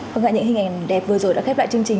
vâng ạ những hình ảnh đẹp vừa rồi đã khép lại chương trình